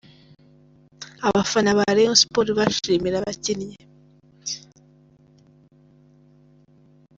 Abafana ba Rayon Sports bashimira abakinnyi.